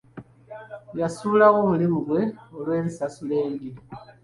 Yasuulawo omulimu gwe olw’ensasula embi.